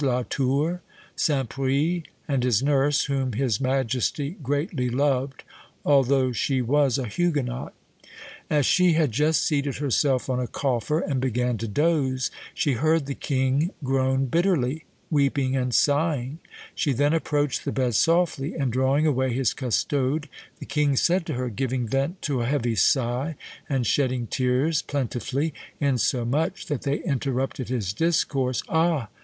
La Tour, St. Pris, and his nurse, whom his majesty greatly loved, although she was a Huguenot. As she had just seated herself on a coffer, and began to doze, she heard the king groan bitterly, weeping and sighing; she then approached the bed softly, and drawing away his custode, the king said to her, giving vent to a heavy sigh, and shedding tears plentifully, insomuch that they interrupted his discourse 'Ah!